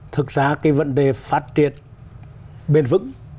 thực ra cái vấn đề phát triển bền vững